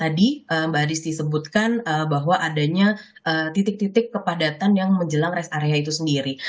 jadi mbak adisti sebutkan bahwa adanya titik titik kepadatan yang menjelang res area itu sendiri